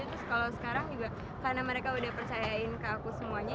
terus kalau sekarang juga karena mereka udah percayain ke aku semuanya